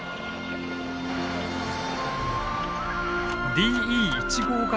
ＤＥ１５形